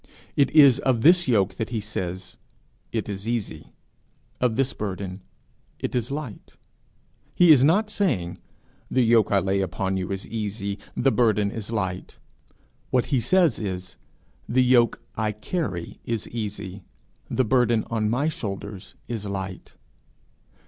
It is of this yoke that he says, It is easy, of this burden, It is light. He is not saying, 'The yoke I lay upon you is easy, the burden light;' what he says is, 'The yoke I carry is easy, the burden on my shoulders is light.'